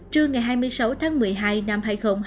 trưa ngày hai mươi sáu tháng một mươi hai năm hai nghìn hai mươi